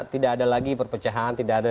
tidak ada lagi perpecahan tidak ada